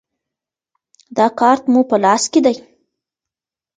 دا کارت مو په لاس کې دی.